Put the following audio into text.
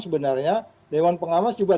sebenarnya dewan pengawas juga